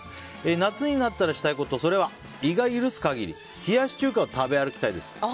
夏になったらしたいことそれは胃が許す限り冷やし中華を食べ歩きたいです。